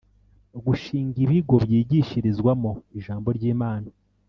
Gushinga ibigo byigishirizwamo ijambo ry imana